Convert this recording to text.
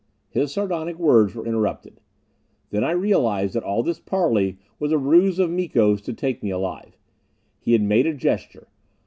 His sardonic words were interrupted. And I realized that all this parley was a ruse of Miko's to take me alive. He had made a gesture.